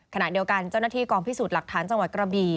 ขณะเดียวกันเจ้าหน้าที่กองพิสูจน์หลักฐานจังหวัดกระบี่